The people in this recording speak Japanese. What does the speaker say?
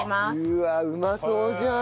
うわうまそうじゃん。